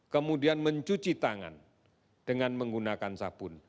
kemudian mencuci tangan dengan menggunakan sabun